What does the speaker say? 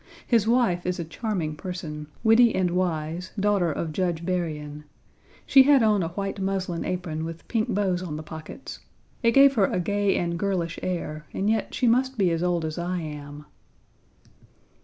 His wife is a charming person, witty and wise, daughter of Judge Berrien. She had on a white muslin apron with pink bows on the pockets. It gave her a gay and girlish air, and yet she must be as old as I am.